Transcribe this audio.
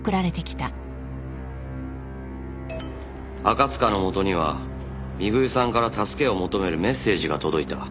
赤塚のもとには美冬さんから助けを求めるメッセージが届いた。